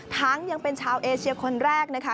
ยังเป็นชาวเอเชียคนแรกนะคะ